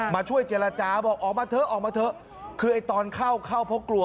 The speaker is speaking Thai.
มาช่วยเจรจาบอกออกมาเถอะออกมาเถอะคือไอ้ตอนเข้าเข้าเพราะกลัว